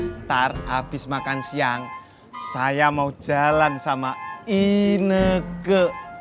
ntar habis makan siang saya mau jalan sama ineke